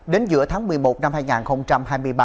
đến giữa tháng một mươi một năm hai nghìn hai mươi ba